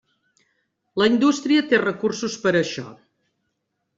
La indústria té recursos per a això.